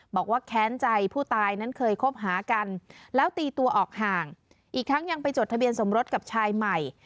แค้นใจผู้ตายนั้นเคยคบหากันแล้วตีตัวออกห่างอีกทั้งยังไปจดทะเบียนสมรสกับชายใหม่